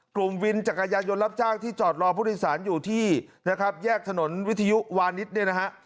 กลุ่มวินจักรยานยนต์รับจ้างที่จอดรอผู้โดยสารอยู่ที่นะครับแยกถนนวิทยุวานิสเนี่ยนะฮะ